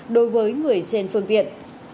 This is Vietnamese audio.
đối với người trên phương viện